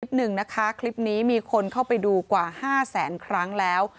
หนึ่งนะคะคลิปนี้มีคนเข้าไปดูกว่าห้าแสนครั้งแล้ว